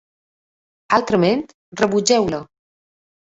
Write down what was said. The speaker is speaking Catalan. Altrament, rebutgeu-la.